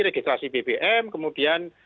registrasi bbm kemudian